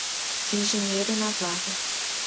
Engenheiro Navarro